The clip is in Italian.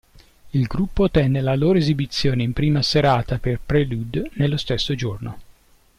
Il gruppo tenne la loro esibizione in prima serata per "Prelude" nello stesso giorno.